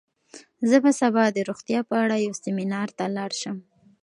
زه به سبا د روغتیا په اړه یو سیمینار ته لاړ شم.